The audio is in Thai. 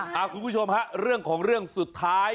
คุณผู้ชมฮะเรื่องของเรื่องสุดท้าย